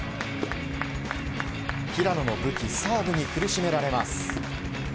平野の武器サーブに苦しめられます。